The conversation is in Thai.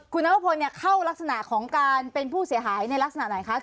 คุณนวพลเข้ารักษณะของการเป็นผู้เสียหายในลักษณะไหนคะ